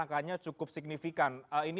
akarnya cukup signifikan ini